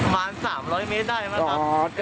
ประมาณ๓๐๐เมตรได้มั้งครับ